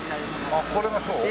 あっこれがそう？